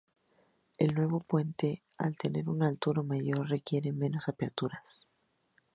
El nuevo puente al tener una altura mayor requiere de menos aperturas.